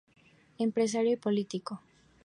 Empresario y político.